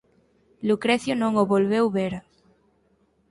Lucrecio non o volveu ver.